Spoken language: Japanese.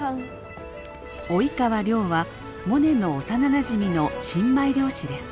及川亮はモネの幼なじみの新米漁師です。